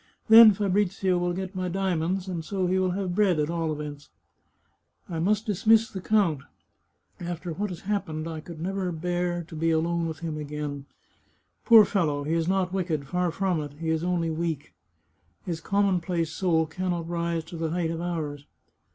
Then Fabrizio will get my diamonds, and so he will have bread at all events. " I must dismiss the count. ... After what has hap pened I never could bear to be alone with him again. Poor fellow! he is not wicked — far from it — he is only weak. His commonplace soul can not rise to the height of ours.